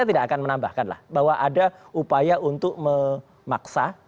saya tidak akan menambahkan bahwa ada upaya untuk memaksa